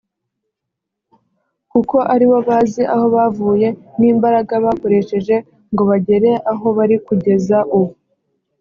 kuko aribo bazi aho bavuye n’imbaraga bakoresheje ngo bagere aho bari kugeza ubu